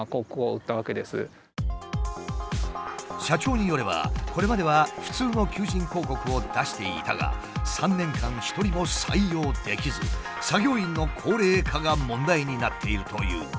社長によればこれまでは普通の求人広告を出していたが３年間一人も採用できず作業員の高齢化が問題になっているという。